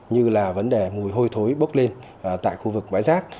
như là vấn đề mùi hôi thối bốc lên tại khu vực bãi rác